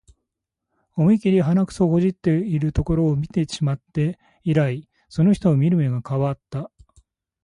思いっきり鼻くそほじってるところ見てしまって以来、その人を見る目が変わった